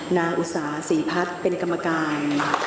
อุตสาศรีพัฒน์เป็นกรรมการ